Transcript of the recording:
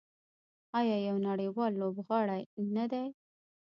آیا یو نړیوال لوبغاړی نه دی؟